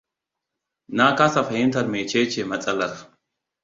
Na kasa fahimtar mecece matsalar.